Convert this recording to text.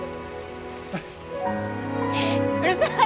うるさい！